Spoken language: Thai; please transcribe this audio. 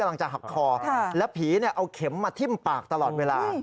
แล้วผีเอาเข็มมาทิ้มปากตลอดเวลา